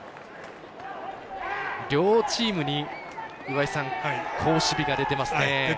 両チームに好守備が出ていますね。